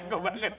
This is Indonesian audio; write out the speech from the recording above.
nggak aku banget